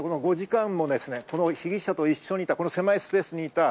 ５時間も被疑者と一緒にいた、この狭いスペースにいた。